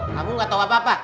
kamu gak tahu apa apa